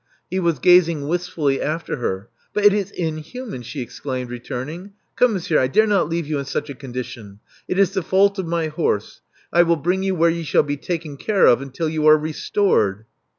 He was gazing wist« fully after her. "But it is inhuman!" she exclaimed, returning. "Come, monsieur, I dare not leave you in such a condition: it is the fault of my horse. I will bring you where you shall be taken care of until you are restored."